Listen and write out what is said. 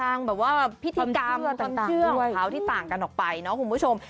แบบว่าพิธีกรรมความเชื่อของเขาที่ต่างกันออกไปเนาะคุณผู้ชม